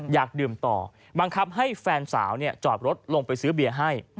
อยากดื่มต่อบังคับให้แฟนสาวจอดรถลงไปซื้อเบียร์ให้